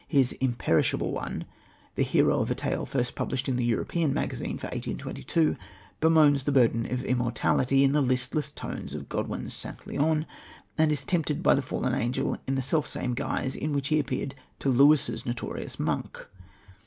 His Imperishable One, the hero of a tale first published in the European Magazine for 1822, bemoans the burden of immortality in the listless tones of Godwin's St. Leon, and is tempted by the fallen angel in the self same guise in which he appeared to Lewis's notorious monk.